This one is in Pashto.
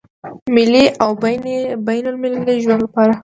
ملي او بين المللي ژوند لپاره هم دی.